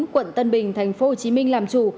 quận tân bình tp hcm làm chủ